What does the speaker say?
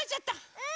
うん！